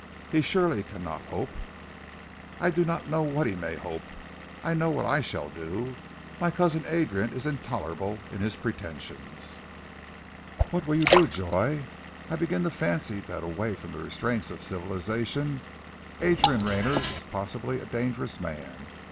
He surely cannot hope " "I do not know what he may hope. I know what I shall do. My cousin Adrian is intolerable in his pretensions." "What will you do, Joy? I begin to fancy that away from the restraints of civilization Adrian Rayner is possibly a dangerous man.